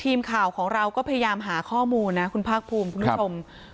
ทีมข่าวของเราก็พยายามหาข้อมูลนะคุณภาคภูมิคุณผู้ชม